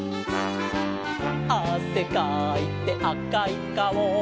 「あせかいてあかいかお」